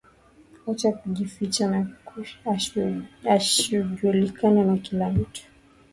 Wacha kujificha na ushajulikana na kila mtu